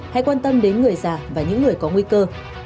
hãy quan tâm đến người già và những người có nguy cơ